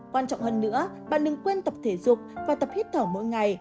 quan trọng hơn nữa bà đừng quên tập thể dục và tập hít thở mỗi ngày